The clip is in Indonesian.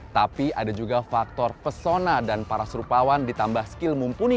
tapi ada juga faktor pesona dan para serupawan ditambah skill mumpuni